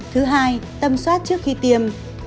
thứ hai tầm soát trước khi tiêm